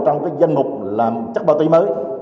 trong cái danh mục là chất bà túy mới